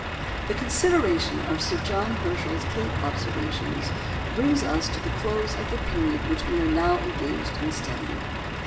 The consideration of Sir John Herschel's Cape observations brings us to the close of the period we are just now engaged in studying.